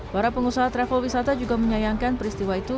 para pengusaha travel wisata juga menyayangkan peristiwa itu